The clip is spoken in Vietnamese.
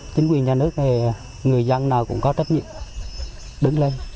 chính quyền nhà nước người dân nào cũng có trách nhiệm đứng lên